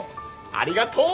ありがとう！